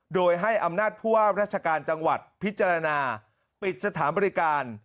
โดยให้อำนาจผู้ว่าราชการจังหวัดพิจารณาปิดสถานบริการ